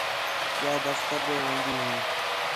ٻِیال دفتر ݙے وین٘دی ہی